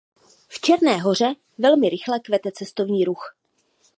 V Černé Hoře velmi rychle kvete cestovní ruch.